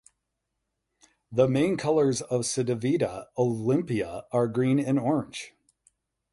The main colours of Cedevita Olimpija are green and orange.